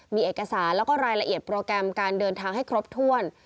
มีเอกสารแล้วก็รายละเอียดโปรแกรมการเดินทางให้ครบถ้วน